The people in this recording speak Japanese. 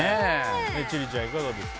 千里ちゃん、いかがですか？